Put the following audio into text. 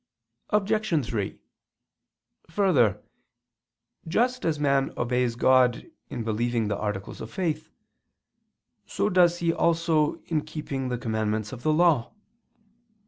Obj. 3: Further, just as man obeys God in believing the articles of faith, so does he also in keeping the commandments of the Law.